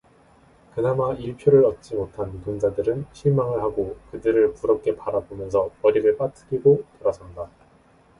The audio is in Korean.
그나마 일표를 얻지 못한 노동자들은 실망을 하고 그들을 부럽게 바라보면서 머리를 빠트리고 돌아선다.